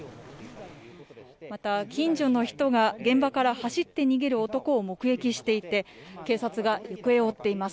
また、近所の人が現場から走って逃げる男を目撃していて警察が行方を追っています。